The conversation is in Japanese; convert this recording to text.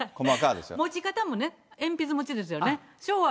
持ち方もね、鉛筆持ちですよね、